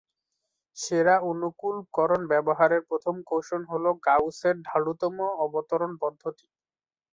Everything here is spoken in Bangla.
সেরা-অনুকূলকরণ ব্যবহারের প্রথম কৌশল হল গাউসের ঢালুতম-অবতরণ পদ্ধতি।